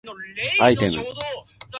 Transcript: アイテム